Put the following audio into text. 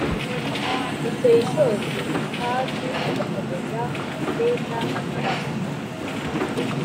biteye ishozi b kandi mugakomeza kumena amaraso